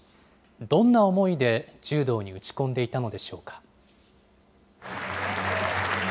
どんな思いで柔道に打ち込んでいたのでしょうか。